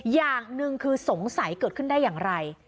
อย่างหนึ่งคือสงสัยเกิดขึ้นได้อย่างไร